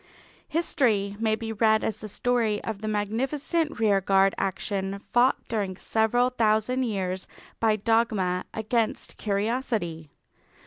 History may be read as the story of the magnificent rearguard action fought during several thousand years by dogma against curiosity.